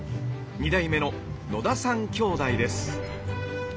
２代目の野田さん兄妹です。